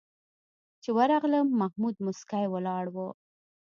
چې ورغلم محمود موسکی ولاړ و.